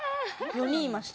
４人いました。